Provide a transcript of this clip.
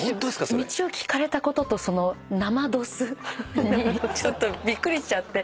道を聞かれたこととその生「どす」にちょっとびっくりしちゃって。